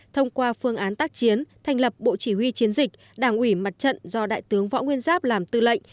thông qua phương án tác chiến thành lập bộ chỉ huy chiến dịch đảng ủy mặt trận do đại tướng võ nguyên giáp làm tư lệnh